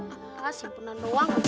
apa simpenan doang pak